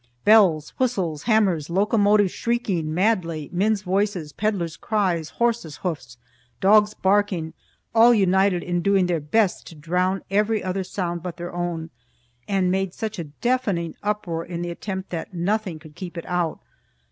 Bells, whistles, hammers, locomotives shrieking madly, men's voices, peddlers' cries, horses' hoofs, dogs' barking all united in doing their best to drown every other sound but their own, and made such a deafening uproar in the attempt that nothing could keep it out.